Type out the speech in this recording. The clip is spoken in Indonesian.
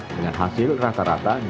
dengan hasil rata rata